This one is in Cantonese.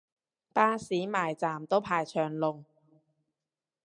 巴士埋站都排長龍